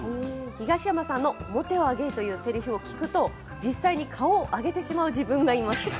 東山さんの面を上げいというせりふを聞くと実際に顔を上げてしまう自分がいます。